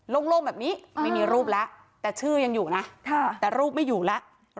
โล่งแบบนี้ไม่มีรูปแล้วแต่ชื่อยังอยู่นะแต่รูปไม่อยู่แล้ว